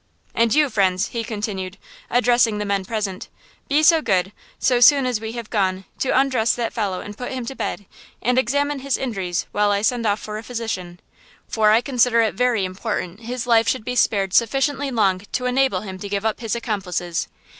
"And you, friends," he continued, addressing the men present, "be so good, so soon as we have gone, to undress that fellow and put him to bed, and examine his injuries while I send off for a physician; for I consider it very important his life should be spared sufficiently long to enable him to give up his accomplices."